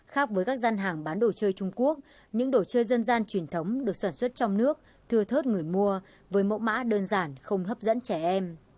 khác với các gian hàng bán đồ chơi trung quốc những đồ chơi dân gian truyền thống được sản xuất trong nước thưa thớt người mua với mẫu mã đơn giản không hấp dẫn trẻ em